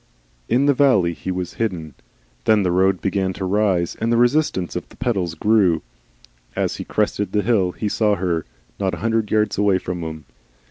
In the valley he was hidden. Then the road began to rise, and the resistance of the pedals grew. As he crested the hill he saw her, not a hundred yards away from him.